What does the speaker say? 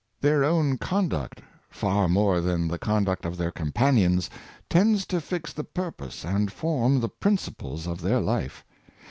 Their own conduct, far more than the conduct of their companions, tends to fix the pur pose and form the principles of their life.